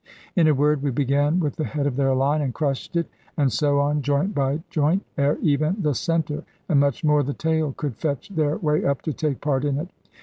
In a word, we began with the head of their line, and crushed it, and so on joint by joint, ere even the centre and much more the tail could fetch their way up to take part in it.